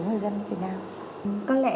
người dân việt nam có lẽ